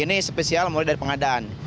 ini spesial mulai dari pengadaan